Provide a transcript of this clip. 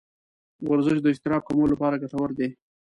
ورزش د اضطراب کمولو لپاره ګټور دی.